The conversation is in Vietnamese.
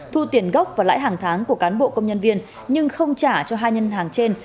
thu tiền gốc và lãi hàng tháng của cán bộ công nhân viên nhưng không trả cho hai ngân hàng trên